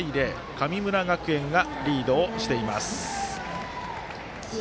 神村学園がリードをしています。